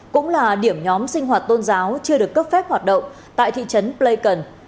cũng là điểm nhóm sinh hoạt tôn giáo chưa được cấp phép hoạt động tại thị trấn blaikon